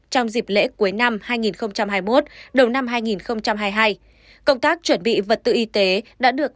trong dịp lễ cuối năm hai nghìn hai mươi một đầu năm hai nghìn hai mươi hai công tác chuẩn bị vật tư y tế đã được